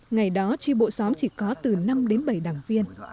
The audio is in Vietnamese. ngày đó tri bộ xóm chỉ có từ năm đến bảy đảng viên